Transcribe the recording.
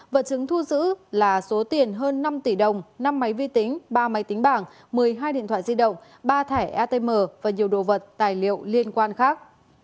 vật chứng thu giữ là số tiền hơn năm tỷ đồng năm máy vi tính ba máy tính bảng một mươi hai điện thoại di động ba thẻ atm và nhiều đồ vật tài liệu liên quan khác